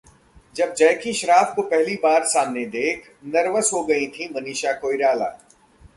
जब जैकी श्रॉफ को पहली बार सामने देख नर्वस हो गई थीं मनीषा कोइराला